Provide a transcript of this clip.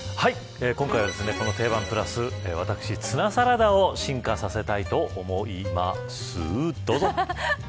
今回はテイバンプラス私、ツナサラダを進化させたいと思います。